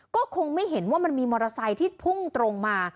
ก็คงไม่เห็นว่ามันมีมอเตอร์ไซค์ที่พุ่งตรงมา